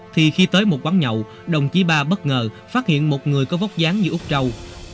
thì khi tới một quán nhậu đồng chí ba bất ngờ phát hiện một người có vóc dáng như úc trâu